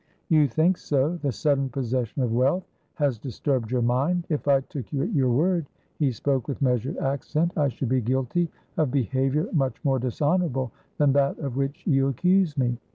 "You think so. The sudden possession of wealth has disturbed your mind. If I took you at your word," he spoke with measured accent, "I should be guilty of behaviour much more dishonourable than that of which you accuse me.